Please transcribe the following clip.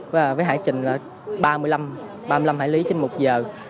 với hải trình là ba mươi năm hải lý trên một giờ